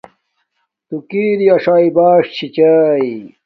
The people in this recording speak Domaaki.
تو کیر اݽ باݽ چھی چاݵ